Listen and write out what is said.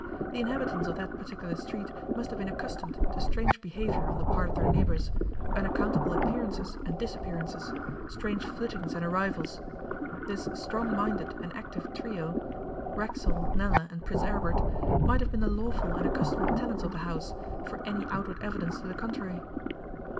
The inhabitants of that particular street must have been accustomed to strange behaviour on the part of their neighbours, unaccountable appearances and disappearances, strange flittings and arrivals. This strong minded and active trio Racksole, Nella, and Prince Aribert might have been the lawful and accustomed tenants of the house, for any outward evidence to the contrary.